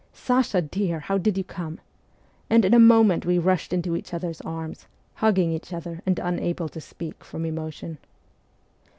' Sasha, dear, how did you come ?' and in a moment we rushed into each other's arms, hugging each other and unable to speak from emotion.